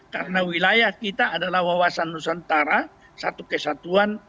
karena wilayah kita adalah wawasan nusantara satu kesatuan